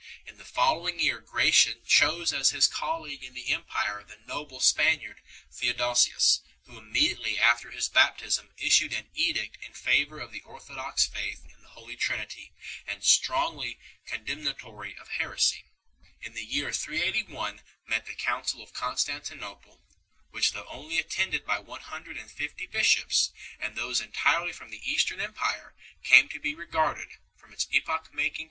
In the follow ing year Gratian chose as his colleague in the empire the noble Spaniard Theodosius, who immediately after his baptism issued an edict 4 in favour of the orthodox faith in the Holy Trinity, and strongly condemnatory of heresy. In the year 381 met the Council of Constantinople, which, though only attended by one hundred and fifty bishops, and those entirely from the Eastern Empire, came to be regarded, from its epoch making character, as oecumenical 6 . CHAP.